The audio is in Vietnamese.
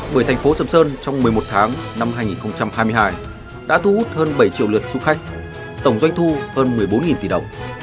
bởi thành phố sầm sơn trong một mươi một tháng năm hai nghìn hai mươi hai đã thu hút hơn bảy triệu lượt du khách tổng doanh thu hơn một mươi bốn tỷ đồng